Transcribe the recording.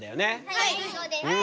はいそうです。